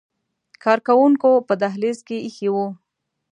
کارکوونکو په دهلیز کې ایښي وو.